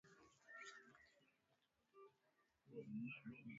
hakuna sababu inayowezo kurudisha maisha ya wanadamu